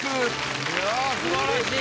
いや素晴らしい。